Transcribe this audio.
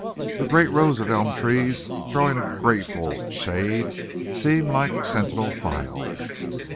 The great rows of elm trees throwing a grateful shade seemed like sentinel files.